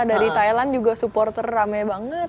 dari thailand juga supporter rame banget